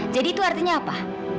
jadi itu artinya apa